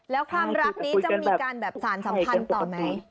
แล้วความรักนี้จะมีการแบบสารสัมพันธ์ต่อไหม